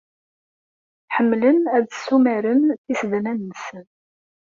Ḥemmlen ad ssumaren tisednan-nsen.